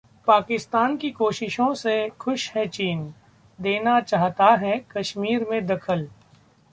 पाकिस्तान की 'कोशिशों' से खुश है चीन, देना चाहता है कश्मीर में दखल